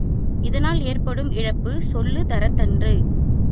இதனால் ஏற்படும் இழப்பு சொல்லுந் தரத்த தன்று.